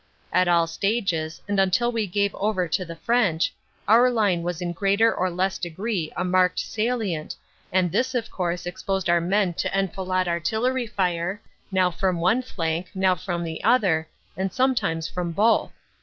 At all stages, and until we gave over to the French, our line was in greater or less degree a marked salient, and this of course exposed our men to enfilade artill ery fire, now from one flank, now from the other, and some times from both.